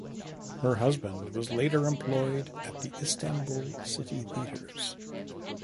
Her husband was later employed at the Istanbul City Theatres.